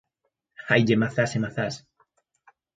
Haille mazás e mazás.